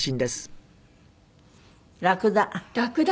ラクダ。